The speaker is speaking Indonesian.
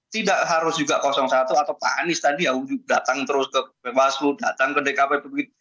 tidak harus juga satu atau pak anies tadi yang datang terus ke bawaslu datang ke dkp begitu